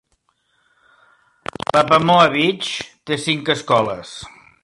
Papamoa Beach té cinc escoles.